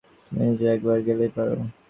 তুমি নিজে একবার গেলেই পার।